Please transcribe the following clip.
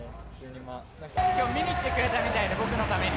きょう、見に来てくれたみたいで、僕のために。